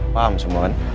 paham semua kan